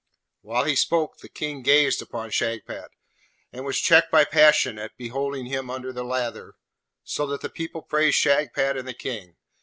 While he spake, the King gazed on Shagpat, and was checked by passion at beholding him under the lather, so that the people praised Shagpat and the King.